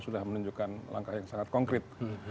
sudah menunjukkan langkah yang sangat konkret